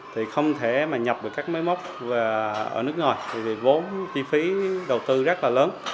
thì không thể mà nhập được các máy móc ở nước ngoài thì vốn chi phí đầu tư rất là lớn